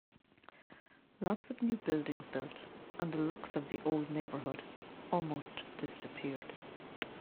Lots of new buildings built and the looks of the old neighbourhood almost disappeared.